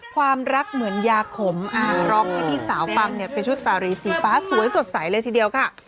ความรักเหมือนยาขมร้องให้พี่สาวฟังเนี่ยเป็นชุดสารีสีฟ้าสวยสดใสเลยทีเดียวค่ะ